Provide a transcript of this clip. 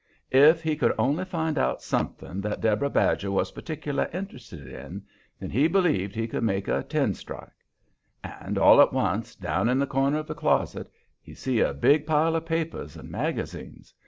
If he could only find out something that Deborah Badger was particular interested in, then he believed he could make a ten strike. And, all at once, down in the corner of the closet, he see a big pile of papers and magazines.